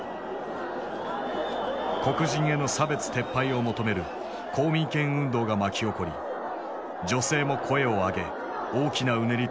黒人への差別撤廃を求める公民権運動が巻き起こり女性も声を上げ大きなうねりとなった。